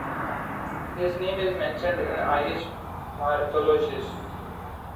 His name is mentioned in Irish martyrologies.